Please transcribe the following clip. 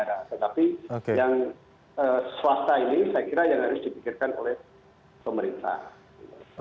tetapi yang swasta ini saya kira yang harus dipikirkan oleh pemerintah